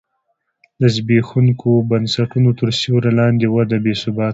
د زبېښونکو بنسټونو تر سیوري لاندې وده بې ثباته وي.